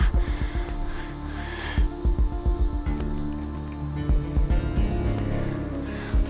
kan lupa lah